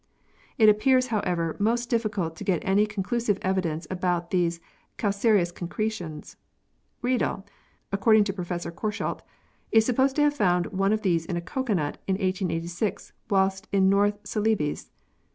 It appears, however, most difficult to get any con clusive evidence about these calcareous concretions. Riedel (according to Professor Korschelt) is sup posed to have found one of these in a cocoanut in 1886 whilst in North Celebes.